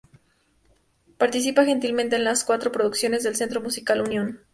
Participa gentilmente en las cuatro producciones del Centro Musical Unión.